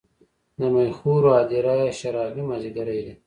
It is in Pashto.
د میخورو هـــــدیره یې شــــــرابي مــــاځیګری دی